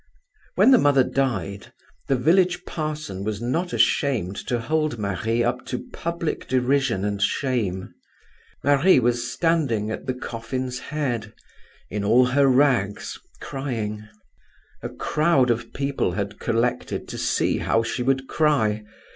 When the mother died, the village parson was not ashamed to hold Marie up to public derision and shame. Marie was standing at the coffin's head, in all her rags, crying. "A crowd of people had collected to see how she would cry.